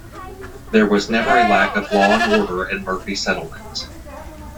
There was never a lack of law and order in the Murphy settlement.